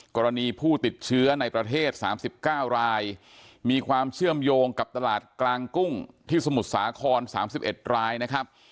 กรณีผู้ติดเชื้อในประเทศสามสิบเก้ารายมีความเชื่อมโยงกับตลาดกลางกุ้งที่สมุทรสาครสามสิบเอ็ดรายนะครับ